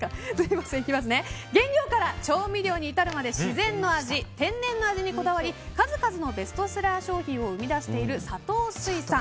原料から調味料に至るまで自然の味、天然の味にこだわり数々のベストセラー商品を生み出している佐藤水産。